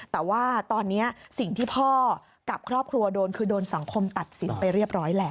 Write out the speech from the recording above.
แต่ว่าตอนนี้สิ่งที่พ่อกับครอบครัวโดนคือโดนสังคมตัดสินไปเรียบร้อยแล้ว